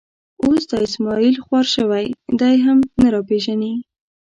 اوس دا اسمعیل خوار شوی، دی هم نه را پېژني.